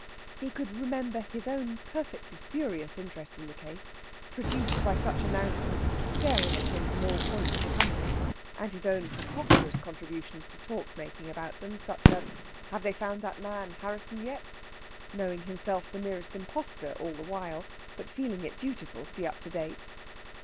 He could remember his own perfectly spurious interest in the case, produced by such announcements staring at him from all points of the compass, and his own preposterous contributions to talk making about them, such as "Have they found that man Harrisson yet?" knowing himself the merest impostor all the while, but feeling it dutiful to be up to date.